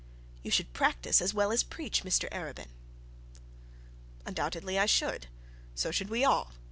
'You should practise as well as preach, Mr Arabin?' 'Undoubtedly I should. So should we all.